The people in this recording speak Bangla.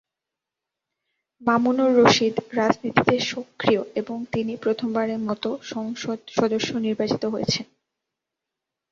মামুনুর রশিদ রাজনীতিতে সক্রিয় এবং তিনি প্রথম বারের মতো সংসদ সদস্য নির্বাচিত হয়েছেন।